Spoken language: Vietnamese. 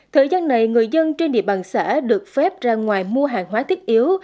thời gian này người dân trên địa bàn xã được phép ra ngoài mua hàng hóa thiết yếu